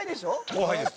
後輩です。